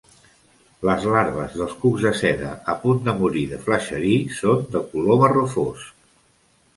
Les larves dels cucs de seda a punt de morir de flacherie són de color marró fosc.